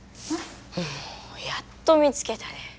やっと見つけたで。